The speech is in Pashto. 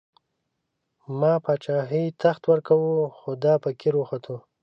ما باچايي، تخت ورکوو، خو دا فقير وختو